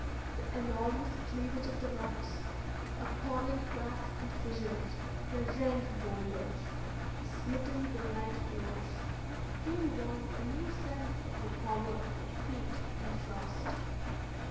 The enormous cleavage of the rocks, the appalling cracks and fissures, the rent boulders, the smitten granite floors, gave one a new sense of the power of heat and frost.